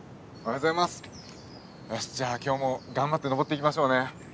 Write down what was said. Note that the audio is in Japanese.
よしじゃあ今日も頑張って登っていきましょうね。